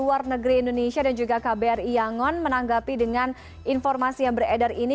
luar negeri indonesia dan juga kbri yangon menanggapi dengan informasi yang beredar ini